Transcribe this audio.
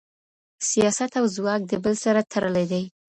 سياست او ځواک د بل سره تړلي دي.